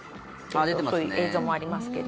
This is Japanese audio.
そういう映像もありますけど。